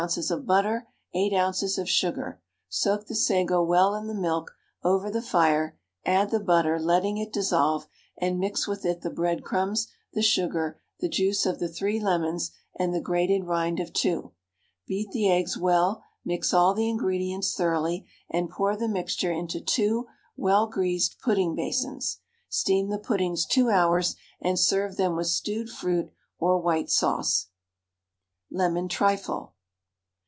of butter, 8 oz. of sugar. Soak the sago well in the milk over the fire, add the butter, letting it dissolve, and mix with it the breadcrumbs, the sugar, the juice of the 3 lemons, and the grated rind of 2. Beat the eggs well, mix all the ingredients thoroughly, and pour the mixture into 2 well greased pudding basins; steam the puddings 2 hours, and serve them with stewed fruit or white sauce. LEMON TRIFLE.